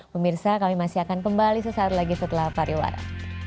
pemirsa kami masih akan kembali sesaat lagi setelah pariwara